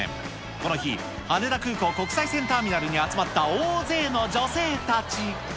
この日、羽田空港国際線ターミナルに集まった大勢の女性たち。